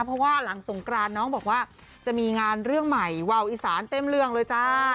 เพราะว่าหลังสงกรานน้องบอกว่าจะมีงานเรื่องใหม่วาวอีสานเต็มเรื่องเลยจ้า